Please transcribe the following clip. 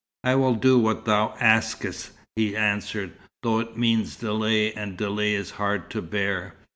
"I will do what thou askest," he answered, "though it means delay, and delay is hard to bear.